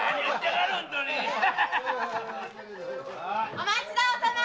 おまちどおさま！